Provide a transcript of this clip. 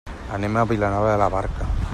Anem a Vilanova de la Barca.